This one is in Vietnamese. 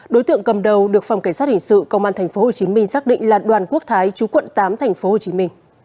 đối tượng cầm đầu được phòng cảnh sát hình sự công an tp hcm xác định là đoàn quốc thái chú quận tám tp hcm